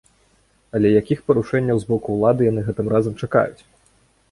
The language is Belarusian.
Але якіх парушэнняў з боку ўлады яны гэтым разам чакаюць?